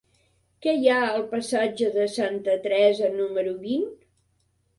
Què hi ha al passatge de Santa Teresa número vint?